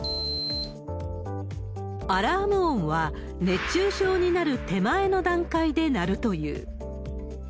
アラーム音は、熱中症になる手前の段階で鳴るという。